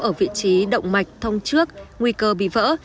ở vị trí động mạch thông trước nguy cơ bị vỡ